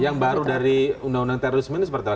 yang baru dari undang undang terorisme ini seperti apa